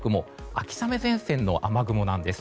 秋雨前線の雨雲なんです。